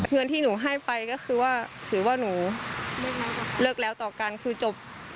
เงินที่หนูให้ไปก็คือว่าถือว่าหนูเลิกแล้วต่อกันคือจบ